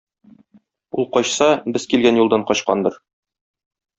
Ул качса, без килгән юлдан качкандыр.